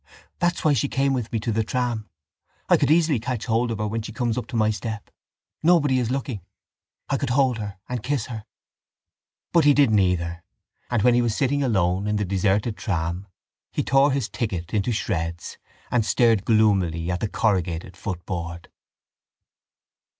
That's why she came with me to the tram. I could easily catch hold of her when she comes up to my step: nobody is looking. I could hold her and kiss her. But he did neither: and, when he was sitting alone in the deserted tram, he tore his ticket into shreds and stared gloomily at the corrugated footboard.